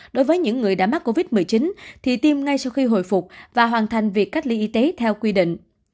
đối với những người đã mắc covid một mươi chín thì tiêm ngay sau khi hồi phục và hoàn thành việc cách ly y tế theo quy định